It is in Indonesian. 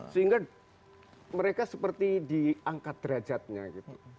sehingga mereka seperti diangkat derajatnya gitu